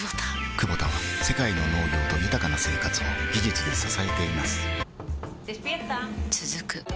クボタは世界の農業と豊かな生活を技術で支えています起きて。